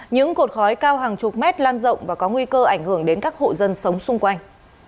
những cột khói cao hàng chục mét lan rộng và có nguy cơ ảnh hưởng đến các hộ dân sống xung quanh